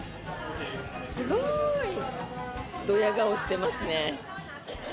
すごい！ドヤ顔してますね。